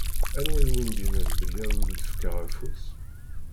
Anwa i wen-d-innan belli ad wen-d-fkeɣ afus?